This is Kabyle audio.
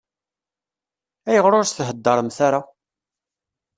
Ayɣer ur s-thedremt ara?